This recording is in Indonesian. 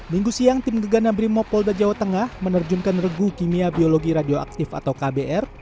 minggu siang tim gegana brimopolda jawa tengah menerjunkan regu kimia biologi radioaktif atau kbr